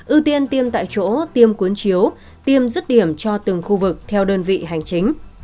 ưu tiên tiêm tại chỗ tiêm cuốn chiếu tiêm rứt điểm cho từng khu vực theo đơn vị hành chính